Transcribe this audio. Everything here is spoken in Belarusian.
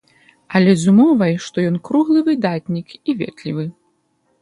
Але з умовай, што ён круглы выдатнік і ветлівы.